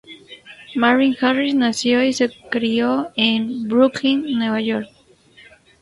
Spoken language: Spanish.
Marvin Harris nació y se crió en Brooklyn, Nueva York.